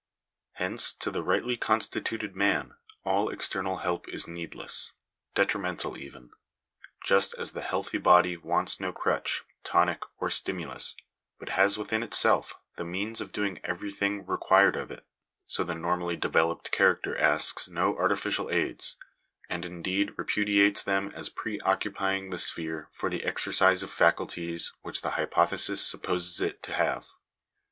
Hence to the rightly constituted man all external help is needless — detrimental even. Just as the healthy^ody wants no crutch, tonic, or stimulus, but has within itself the means of doing everything required of it, so the normally developed character asks no artificial aids; and in deed repudiates them as pre occupying the sphere for the exer cise of faculties which the hypothesis supposes it to have.